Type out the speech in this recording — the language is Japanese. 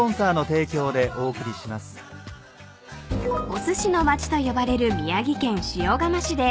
［おすしの町と呼ばれる宮城県塩竈市で］